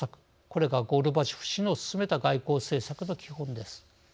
これがゴルバチョフ氏の進めた外交政策の基本です。